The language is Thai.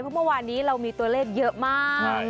เพราะเมื่อวานนี้เรามีตัวเลขเยอะมาก